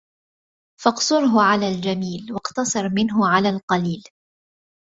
فَاقْصُرْهُ عَلَى الْجَمِيلِ وَاقْتَصِرْ مِنْهُ عَلَى الْقَلِيلِ